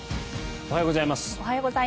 おはようございます。